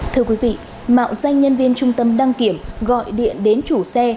thưa quý vị mạo danh nhân viên trung tâm đăng kiểm gọi điện đến chủ xe